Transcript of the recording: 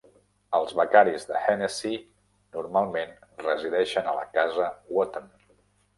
Els becaris de Hennessy normalment resideixen a la casa Wotton.